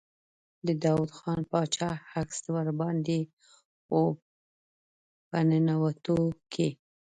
د داووخان باچا عکس ور باندې و په نوټونو کې.